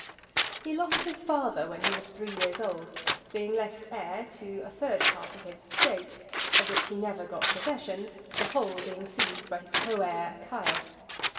He lost his father when he was three years old, being left heir to a third part of his estate; of which he never got possession, the whole being seized by his co heir, Caius.